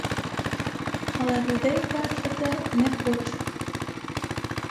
Але людей бачити не хоче.